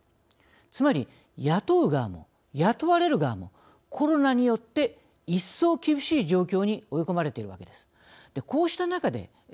つまり雇う側も、雇われる側もコロナによって一層厳しい状況に追い込まれているわけです。